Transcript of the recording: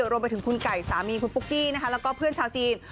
รวมไปถึงคุณไก่สามีคุณปุ๊กกี้แล้วก็เพื่อนชาวจีน